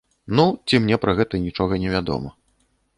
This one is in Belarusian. Ну, ці мне пра гэта нічога не вядома.